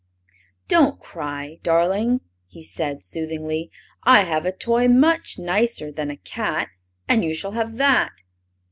"Don't cry, darling!" he said, soothingly; "I have a toy much nicer than a cat, and you shall have that."